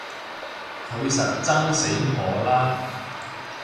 佢實憎死我啦！